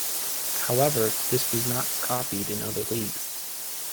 However, this was not copied in other leagues.